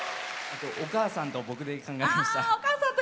お母さんと僕で考えました。